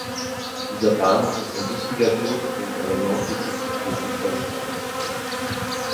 Dieser Bahnhof ist ein wichtiger Knotenpunkt an der Nordseeküste Schleswig-Holsteins.